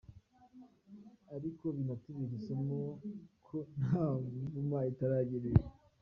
Ariko binatubere isomo ko nta wuvuma iritararenga.